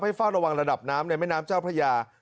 เฝ้าระวังระดับน้ำในแม่น้ำเจ้าพระยา